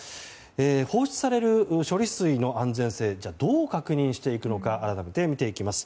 放出される処理水の安全性をどう確認していくのか改めて見ていきます。